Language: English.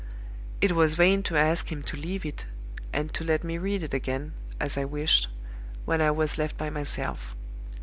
"It was vain to ask him to leave it, and to let me read it again (as I wished) when I was left by myself.